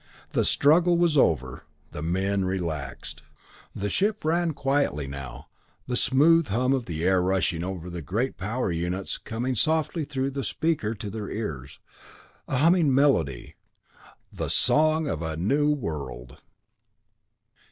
The struggle was over the men relaxed. The ship ran quietly now, the smooth hum of the air rushing over the great power units coming softly through the speaker to their ears, a humming melody the song of a new world.